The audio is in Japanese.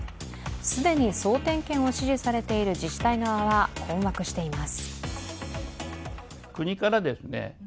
既に総点検を指示されている自治体側は困惑しています。